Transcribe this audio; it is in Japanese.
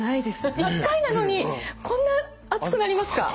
一回なのにこんなあつくなりますか。